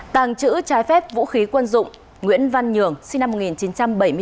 tàng trữ trái phép vũ khí quân dụng nguyễn văn nhường sinh năm một nghìn chín trăm bảy mươi bốn